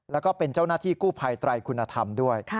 แล้วก็เป็นเจ้าหน้าที่กู้ภัยไตรคุณธรรมด้วย